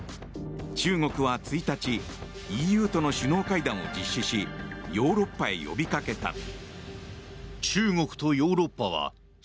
中国は１日ＥＵとの首脳会談を実施しヨーロッパへ呼びかけた。